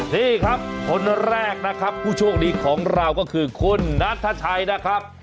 นี่ครับคนแรกนะครับผู้โชคดีของเราก็คือคุณนัทชัยนะครับ